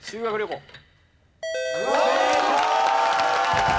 正解！